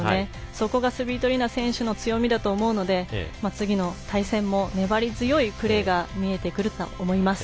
そこがスビトリーナ選手の強みだと思うので次の対戦も、粘り強いプレーが見えてくると思います。